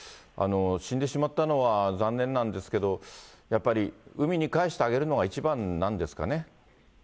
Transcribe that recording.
死んでしまったのは残念なんですけれども、やっぱり海に帰してあげるのが一番なんですかね。